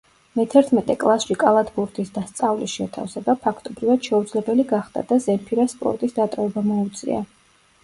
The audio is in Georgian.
მეთერთმეტე კლასში კალათბურთის და სწავლის შეთავსება, ფაქტობრივად, შეუძლებელი გახდა და ზემფირას სპორტის დატოვება მოუწია.